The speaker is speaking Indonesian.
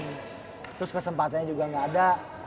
terus kesempatannya juga gak ada